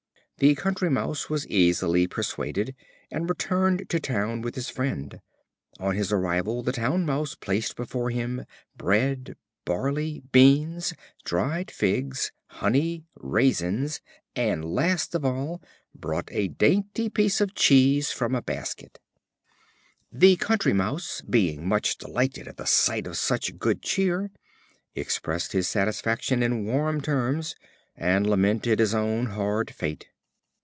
The Country Mouse was easily persuaded, and returned to town with his friend. On his arrival, the Town Mouse placed before him bread, barley, beans, dried figs, honey, raisins, and, last of all, brought a dainty piece of cheese from a basket. The Country Mouse, being much delighted at the sight of such good cheer, expressed his satisfaction in warm terms, and lamented his own hard fate.